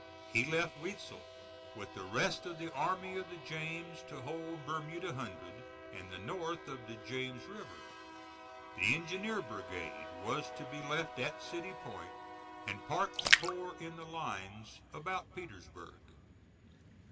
He left Weitzel with the rest of the Army of the James to hold Bermuda Hundred and the north of the James River. The engineer brigade was to be left at City Point, and Parke's corps in the lines about Petersburg.